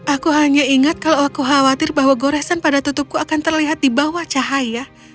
aku hanya ingat kalau aku khawatir bahwa goresan pada tutupku akan terlihat di bawah cahaya